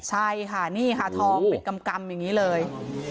ใช่ค่ะนี่ค่ะทองเป็นกำอย่างนี้เลย